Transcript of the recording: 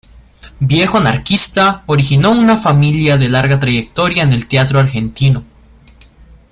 Viejo anarquista, originó una familia de larga trayectoria en el Teatro Argentino.